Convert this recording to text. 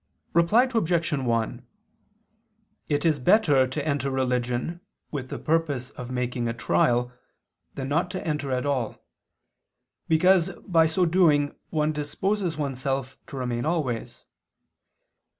Reply Obj. 1: It is better to enter religion with the purpose of making a trial than not to enter at all, because by so doing one disposes oneself to remain always.